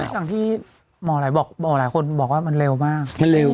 ส่วนที่หมอหลายบอกหมอหลายคนบอกว่ามันเร็วมาก